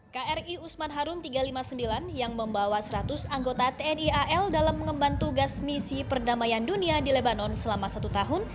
kri usman harun tiga ratus lima puluh sembilan yang membawa seratus anggota tni al dalam mengemban tugas misi perdamaian dunia di lebanon selama satu tahun